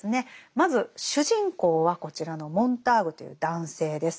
まず主人公はこちらのモンターグという男性です。